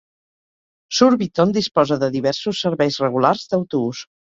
Surbiton disposa de diversos serveis regulars d'autobús.